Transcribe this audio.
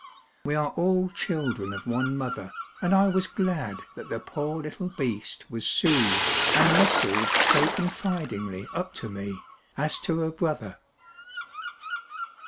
We are all children of one mother, and I was glad that the poor little beast was soothed and nestled so confidingly up to me, as to a brother.